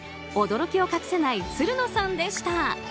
驚きを隠せないつるのさんでした。